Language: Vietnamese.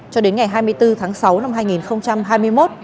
cho đến ngày hai mươi bốn tháng sáu năm hai nghìn một mươi chín